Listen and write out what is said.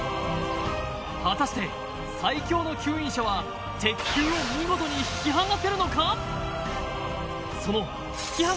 果たして最強の吸引車は鉄球を見事に引き剥がせるのか？